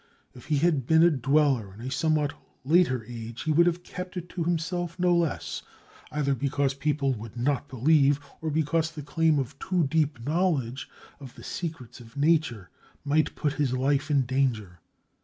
If he had been a dweller in a somewhat later age, he would have kept it to himself no less, either because people would not believe, or because the claim of too deep knowledge of the secrets of nature might put his life in danger.